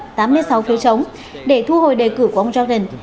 đảng cộng hòa đã bỏ phiếu thuận tám mươi sáu phiếu chống để thu hồi đề cử của ông jordan